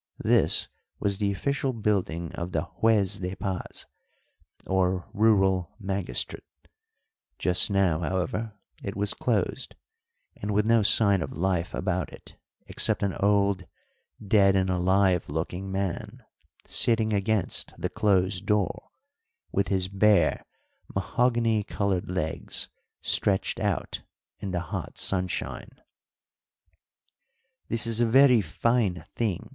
This was the official building of the Juez de Paz, or rural magistrate; just now, however, it was closed, and with no sign of life about it except an old dead and alive looking man sitting against the closed door, with his bare, mahogany coloured legs stretched out in the hot sunshine. "This is a very fine thing!"